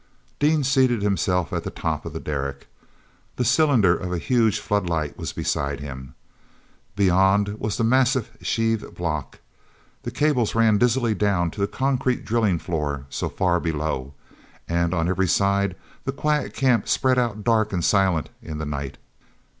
Dean seated himself at the top of the derrick. The cylinder of a huge floodlight was beside him. Beyond was the massive sheave block; the cables ran dizzily down to the concrete drilling floor so far below. And on every side the quiet camp spread out dark and silent in the night.